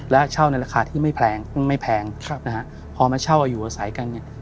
และเช่าในราคาที่ไม่แพงนะฮะพอมาเช่าอยู่อาศัยกันเนี่ย